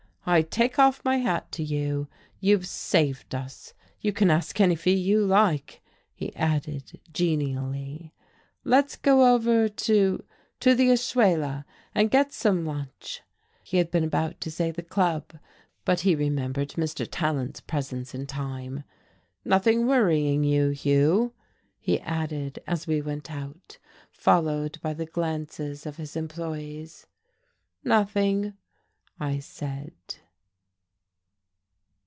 "I take off my hat to you. You've saved us. You can ask any fee you like," he added genially. "Let's go over to to the Ashuela and get some lunch." He had been about to say the Club, but he remembered Mr. Tallant's presence in time. "Nothing's worrying you, Hugh?" he added, as we went out, followed by the glances of his employees. "Nothing," I said....